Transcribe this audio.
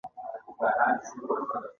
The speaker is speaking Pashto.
احمد يې ګوړۍ کړ.